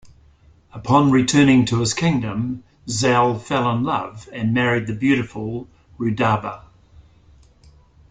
Upon returning to his kingdom, Zal fell in love and married the beautiful Rudaba.